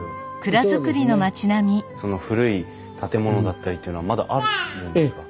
その古い建物だったりっていうのはまだあるんですか？